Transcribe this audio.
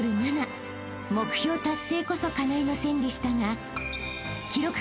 ［目標達成こそかないませんでしたが］